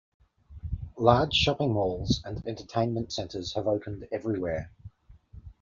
Large shopping malls and entertainment centers have opened everywhere.